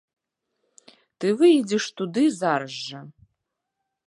Ты выедзеш туды зараз жа.